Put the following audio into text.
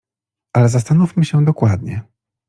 "Ale zastanówmy się dokładnie."